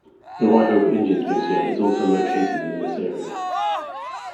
The Ryhope Engines Museum is also located in this area.